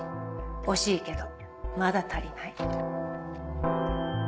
惜しいけどまだ足りない。